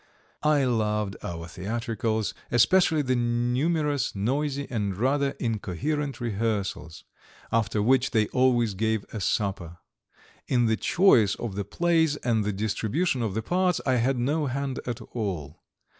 I loved our theatricals, especially the numerous, noisy, and rather incoherent rehearsals, after which they always gave a supper. In the choice of the plays and the distribution of the parts I had no hand at all.